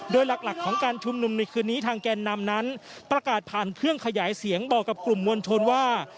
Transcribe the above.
โดยหลักของการชุมนุมในคืนนี้ทางแกนนำนั้นประกาศผ่านเครื่องขยายเสียงบอกกับกลุ่มมวลชนว่า